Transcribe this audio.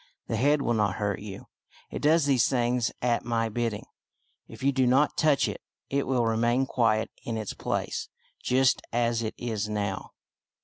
" The head will not hurt you. It does these things at my bidding. If you do not touch it, it will remain quiet in its place, just as it is now."